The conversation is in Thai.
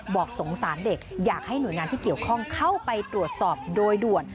บอกสงสารเด็กอยากให้หน่วยงานที่เกี่ยวข้องเข้าไปตรวจสอบโดยด่วน